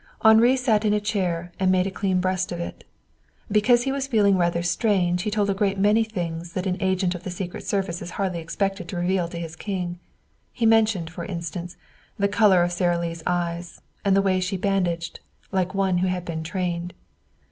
Henri sat in a chair and made a clean breast of it. Because he was feeling rather strange he told a great many things that an agent of the secret service is hardly expected to reveal to his king. He mentioned, for instance, the color of Sara Lee's eyes, and the way she bandaged, like one who had been trained.